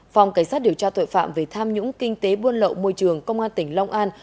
phòng cảnh sát điều tra tội phạm về tham nhũng kinh tế buôn lậu môi trường công an tỉnh long an